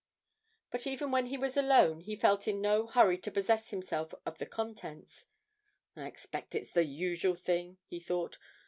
But even when he was alone he felt in no hurry to possess himself of the contents. 'I expect it's the usual thing,' he thought.